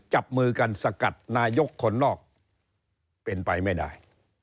จับมือกันสกัดนายกคนนอกเป็นไปไม่ได้